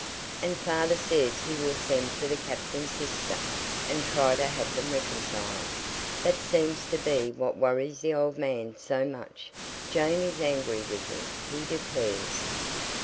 "And father says he will send for the captain's sister, and try to have them reconciled. That seems to be what worries the old man so much Jane is angry with him, he declares.